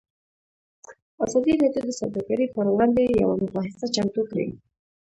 ازادي راډیو د سوداګري پر وړاندې یوه مباحثه چمتو کړې.